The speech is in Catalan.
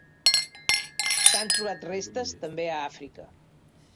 S'han trobat restes també a Àfrica.